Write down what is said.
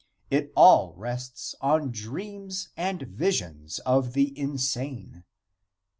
It all rests on dreams and visions of the insane.